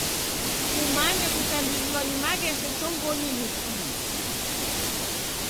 Kumanye kuchandirilwa ni maghesho chongonyi niki.